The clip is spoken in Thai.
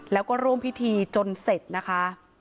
แล้วก็ร่วมพิธีจนเสร็จนะคะ